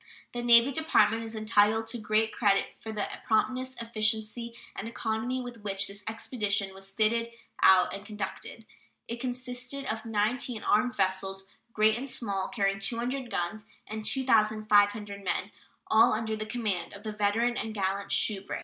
The Navy Department is entitled to great credit for the promptness, efficiency, and economy with which this expedition was fitted out and conducted. It consisted of 19 armed vessels, great and small, carrying 200 guns and 2,500 men, all under the command of the veteran and gallant Shubrick.